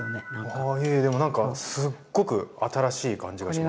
あいえでもなんかすっごく新しい感じがします。